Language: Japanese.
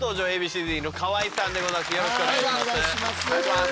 よろしくお願いします。